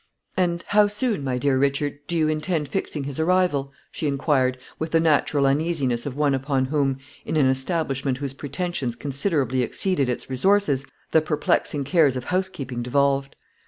"And how soon, my dear Richard, do you intend fixing his arrival?" she inquired, with the natural uneasiness of one upon whom, in an establishment whose pretensions considerably exceeded its resources, the perplexing cares of housekeeping devolved.